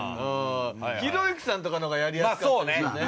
ひろゆきさんとかの方がやりやすかったかもね。